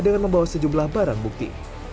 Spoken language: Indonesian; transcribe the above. dengan membawa sejumlah barang bukti